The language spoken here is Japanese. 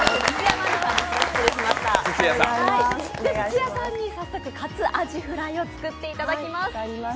土屋さんに早速、活あじふらいを作っていただきます。